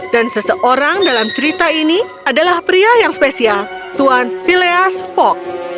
dan seseorang dalam cerita ini adalah pria yang spesial tuan phileas fogg